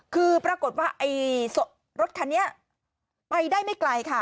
คือปรากฏว่ารถคันนี้ไปได้ไม่ไกลค่ะ